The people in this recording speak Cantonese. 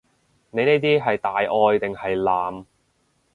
你呢啲係大愛定係濫？